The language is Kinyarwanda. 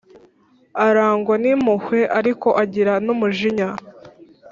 arangwa n’impuhwe, ariko agira n’umujinya,